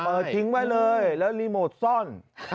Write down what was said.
ทิ้งไว้เลยแล้วรีโมทซ่อน